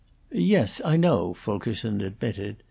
"Yes, I know," Fulkerson admitted.